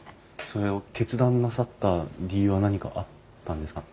それを決断なさった理由は何かあったんですか？